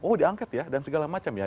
oh diangket ya dan segala macam ya